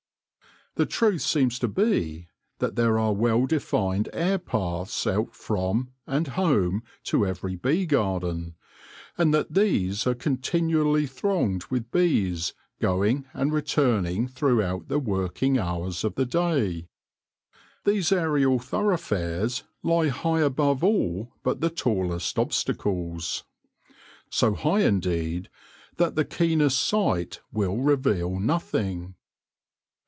The truth seems to be that there are well defined air paths out from and home to every bee garden, and that these are con tinually thronged with bees going and returning throughout the working hours of the day. These aerial thoroughfares lie high above all but the tallest obstacles, so high indeed that the keenest sight will reveal nothing.